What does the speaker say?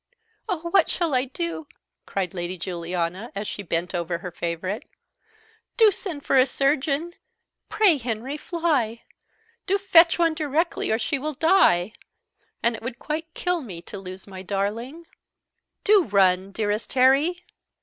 "Oh, what shall I do?" cried Lady Juliana, as she bent over her favourite. "Do send for a surgeon; pray, Henry, fly! Do fetch one directly, or she will die; and it would quite kill me to lose my darling. Do run, dearest Harry!"